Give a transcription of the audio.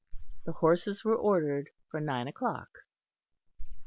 The horses were ordered for nine o'clock.